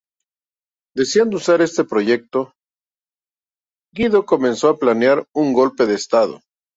Deseando usar este pretexto, Guido comenzó a planear un golpe de Estado.